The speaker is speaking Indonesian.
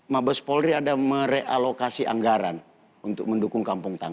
mabes polri ada merealokasi anggaran untuk mendukung kampung tangan